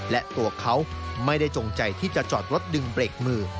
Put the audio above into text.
และตัวเขาไม่ได้จงใจที่จะจอดรถดึงเบรกมือ